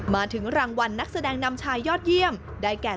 มาถึงรางวัลนักแสดงนำชายยอดเยี่ยมได้แก่